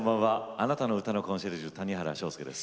あなたの歌のコンシェルジュ谷原章介です。